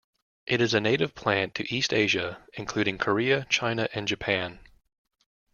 It is a native plant to East Asia including Korea, China and Japan.